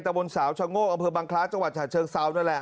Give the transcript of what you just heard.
บนสาวชะโงกอำเภอบังคล้าจังหวัดฉะเชิงเซานั่นแหละ